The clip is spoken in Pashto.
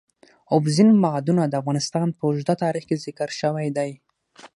اوبزین معدنونه د افغانستان په اوږده تاریخ کې ذکر شوی دی.